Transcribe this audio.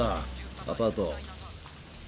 アパート。